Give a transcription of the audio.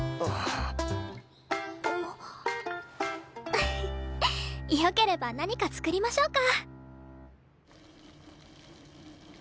フフッよければ何か作りましょうか。